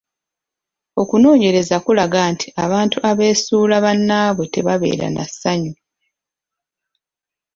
Okunoonyereza kulaga nti abantu abeesuula bannaabwe tebabeera n'assanyu.